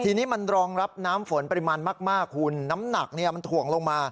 ทีนี้มันรองรับน้ำฝนปริมาณมากคุณน้ำหนักมันถ่วงลงมา